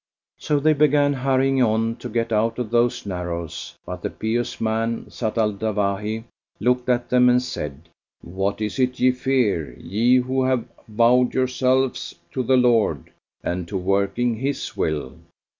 So they began hurrying on to get out of those narrows; but the pious man, Zat al Dawahi, looked at them; and said, "What is it ye fear, ye who have vowed yourselves to the Lord, and to working His will?